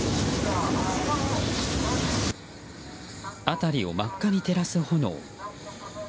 辺りを真っ赤に照らす炎。